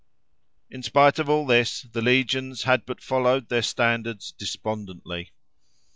In spite of all this, the legions had but followed their standards despondently.